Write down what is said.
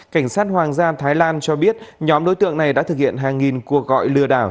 cảnh sát hoàng gia thái lan cho biết nhóm đối tượng này đã thực hiện hàng nghìn cuộc gọi lừa đảo